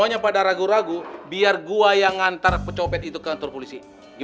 yaudah begini aja ngantar kantor polisi